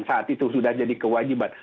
saat itu sudah jadi kewajiban